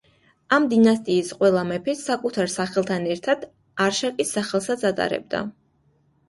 ამ დინასტიის ყველა მეფე საკუთარ სახელთან ერთად არშაკის სახელსაც ატარებდა.